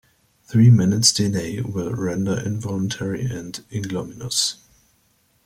Three minutes’ delay will render it involuntary and ignominious.